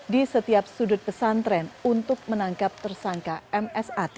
di setiap sudut pesantren untuk menangkap tersangka msat